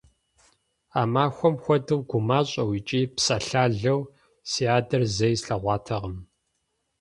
А махуэм хуэдэу гумащӀэу икӀи псалъалэу си адэр зэи слъэгъуатэкъым.